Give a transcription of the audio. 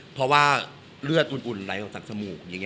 เพราะว่าเรื่อดอุ่นไหลออกจากจมูก